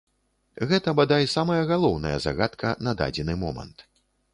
Гэта, бадай, самая галоўная загадка на дадзены момант.